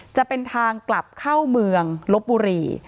จะเป็นทางกลับเข้าเมืองลบบุรี